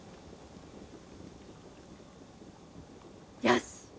よし！